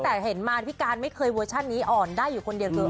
ว่าเออแม่พยายามตอนนี้แม่ก็แบบไม่เหวี่ยงแล้วเลย